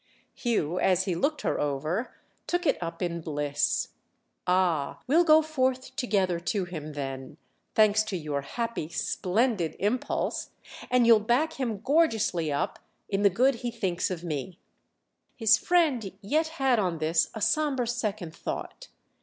Hugh, as he looked her over, took it up in bliss. "Ah, we'll go forth together to him then—thanks to your happy, splendid impulse!—and you'll back him gorgeously up in the good he thinks of me." His friend yet had on this a sombre second thought.